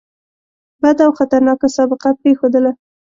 بده او خطرناکه سابقه پرېښودله.